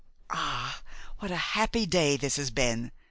'Ah! what a happy day this has been!